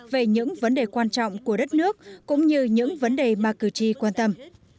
về những vấn đề quan trọng của đất nước cũng như những vấn đề mà cử tri quan tâm